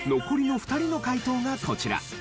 残りの２人の解答がこちら。